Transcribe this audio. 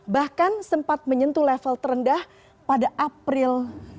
bahkan sempat menyentuh level terendah pada april dua ribu dua puluh